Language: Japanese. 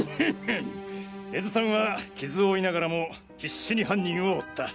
根津さんは傷を負いながらも必死に犯人を追った。